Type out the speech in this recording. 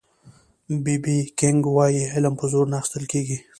بي بي کېنګ وایي علم په زور نه اخيستل کېږي